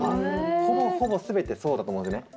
ほぼほぼ全てそうだと思うんですよね。